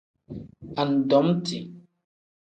Anidomiti.